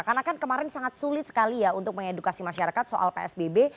karena kan kemarin sangat sulit sekali ya untuk mengedukasi masyarakat soal psbb